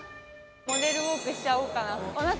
モデルウオークしちゃおうかな。